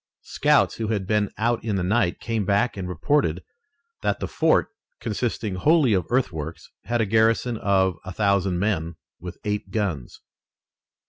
Scouts who had been out in the night came back and reported that the fort, consisting wholly of earthworks, had a garrison of a thousand men with eight guns.